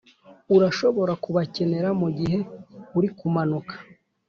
urashobora kubakenera mugihe uri kumanuka